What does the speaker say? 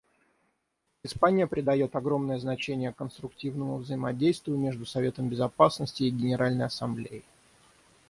Испания придает огромное значение конструктивному взаимодействию между Советом Безопасности и Генеральной Ассамблеей.